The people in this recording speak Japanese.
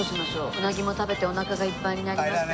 うなぎも食べておなかがいっぱいになりました。